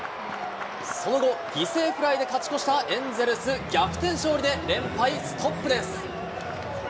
その後、犠牲フライで勝ち越したエンゼルス、逆転勝利で連敗ストップです。